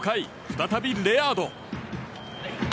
再び、レアード。